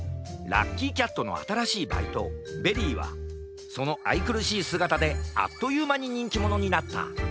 ラッキーキャットのあたらしいバイトベリーはそのあいくるしいすがたであっというまににんきものになった。